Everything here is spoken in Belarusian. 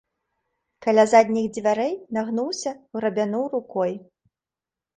Каля задніх дзвярэй нагнуўся, грабянуў рукой.